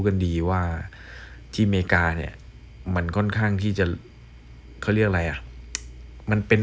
กันดีว่าที่อเมริกาเนี่ยมันค่อนข้างที่จะเขาเรียกอะไรอ่ะมันเป็น